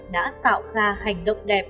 đã tạo ra hành động đẹp